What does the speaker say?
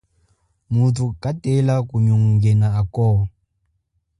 Mutu katela kunyongena ako.